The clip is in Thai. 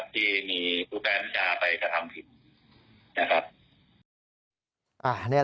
ที่มีผู้การบัญชาไปกระทำผิดนะครับ